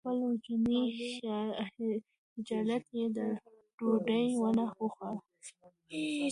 له خپل وجداني خجالته یې ډوډۍ ونه خوړه.